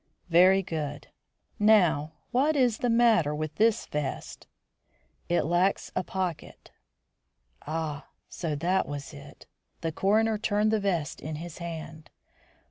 "Very good. Now, what is the matter with this vest?" "It lacks a pocket." Ah! So that was it! The coroner turned the vest in his hand.